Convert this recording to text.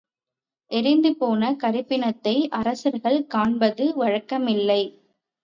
எரிந்துபோன கரிப்பிணத்தை அரசர்கள் காண்பது வழக்கமில்லை.